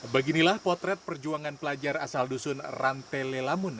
beginilah potret perjuangan pelajar asal dusun rantelelamun